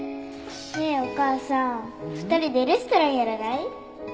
ねえお母さん２人でレストランやらない？